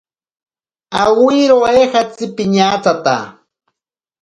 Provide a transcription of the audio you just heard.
Awiro eejatzi piñatsata.